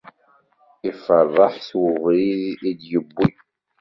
Iferreḥ s webrid i d-ibbwi.